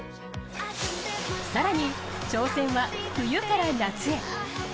更に挑戦は冬から夏へ。